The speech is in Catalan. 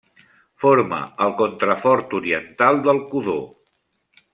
Forma el contrafort oriental del Codó.